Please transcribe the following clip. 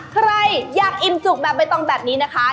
ใครอยากอิ่มจุกแบบใบตองแบบนี้นะคะ